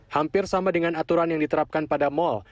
hampir sama dengan aturan yang diterapkan pada mal